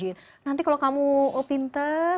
nanti kalau kamu pintar